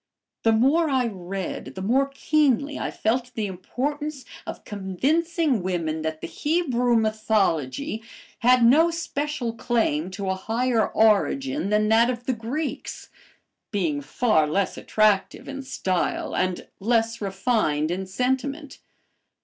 The more I read, the more keenly I felt the importance of convincing women that the Hebrew mythology had no special claim to a higher origin than that of the Greeks, being far less attractive in style and less refined in sentiment.